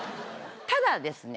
ただですね